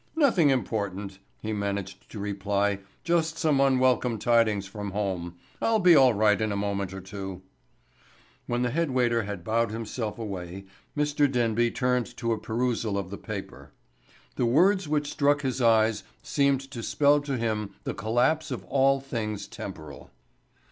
"Nothing important," he managed to reply. "Just some unwelcome tidings from home. I'll be all right in a moment or two." When the head waiter had bowed himself away Mr. Denby turned to a perusal of the paper. The words which struck his eyes seemed to spell to him the collapse of all things temporal.